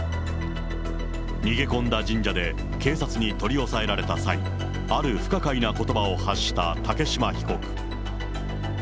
逃げ込んだ神社で警察に取り押さえられた際、ある不可解なことばを発した竹島被告。